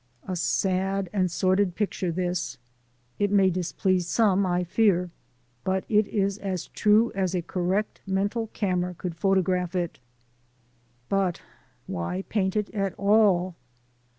A sad and sordid picture this; it AN IMMIGRANT COMMUNITY 239 may displease some, I fear, but it is as true as a correct mental camera could photograph it. But why paint it at all?